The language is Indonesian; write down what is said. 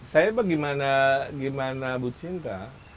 saya bagaimana bu cinta